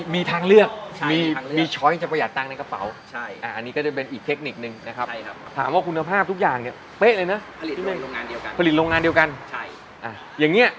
มีทางเลือกมีช้อยที่จะประหยัดตั้งในกระเป๋า